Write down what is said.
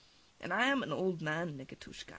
And I am an old man, Nikitushka!